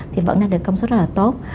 thì vẫn đang được công suất rất là tốt